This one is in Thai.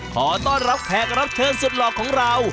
ขอต้อนรับแขกรับเชิญสุดหลอกของเรา